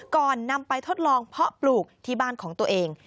ก่อนนำไปทดลองเพาะปลูกที่บ้านของตัวเอง